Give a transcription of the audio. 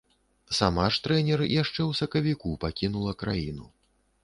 Сама ж трэнер яшчэ ў сакавіку пакінула краіну.